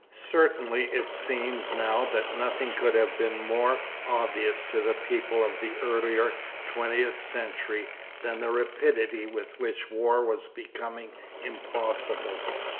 Certainly it seems now that nothing could have been more obvious to the people of the earlier twentieth century than the rapidity with which war was becoming impossible.